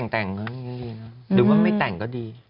แต่งดูว่าไม่แต่งก็ดี